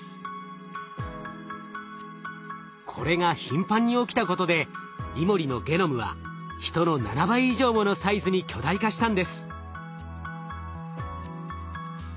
これが頻繁に起きたことでイモリのゲノムはヒトの７倍以上ものサイズに巨大化したんです。